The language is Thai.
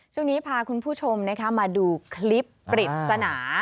ช่วงนี้พาคุณผู้ชมมาดูคลิปปริศนา